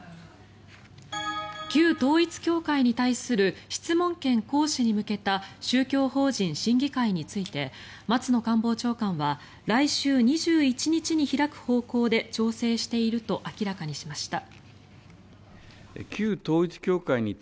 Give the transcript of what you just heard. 旧統一教会に対する質問権行使に向けた宗教法人審議会について松野官房長官は来週２１日に開く方向で調整していると明らかにしました。